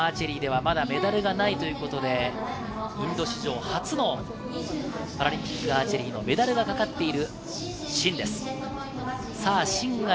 インドはこのパラアーチェリー、まだメダルがないということで、インド史上初のパラリンピックアーチェリーのメダルがかかっているシンです。